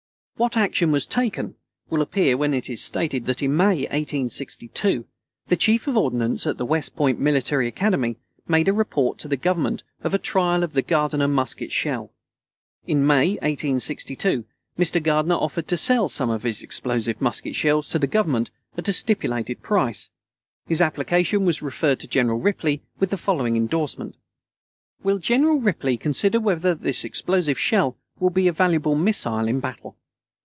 What action was taken will appear when it is stated that in May, 1862, the Chief of Ordnance at the West Point Military Academy made a report to the Government of a trial of the Gardiner musket shell. In May, 1862, Mr. Gardiner offered to sell some of his explosive musket shells to the Government at a stipulated price. His application was referred to General Ripley with the following endorsement: Will General Ripley consider whether this explosive shell will be a valuable missile in battle?